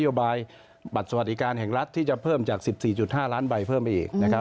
โยบายบัตรสวัสดิการแห่งรัฐที่จะเพิ่มจาก๑๔๕ล้านใบเพิ่มไปอีกนะครับ